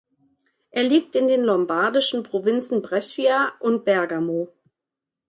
Er liegt in den lombardischen Provinzen Brescia und Bergamo.